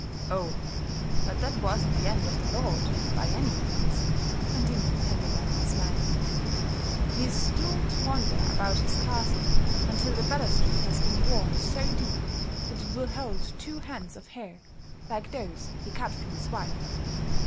"Oh, but that wasn't the end of the lord, by any means," continued Herr Müller, smiling. "He is doomed to wander about his castle until the balustrade has been worn so deep that it will hold two heads of hair like those he cut from his wife.